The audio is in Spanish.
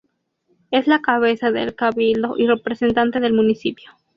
Es la cabeza del cabildo y representante del municipio.